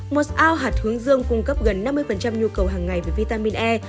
một ao hạt hướng dương cung cấp gần năm mươi nhu cầu hàng ngày về vitamin e